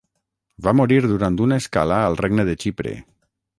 Va morir durant una escala al Regne de Xipre.